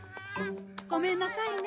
ごめんなさいね。